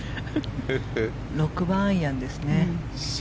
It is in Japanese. ６番アイアンですね。